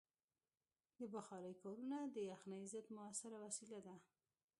د بخارۍ کارونه د یخنۍ ضد مؤثره وسیله ده.